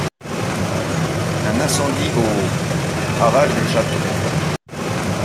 Un incendie au ravage le château.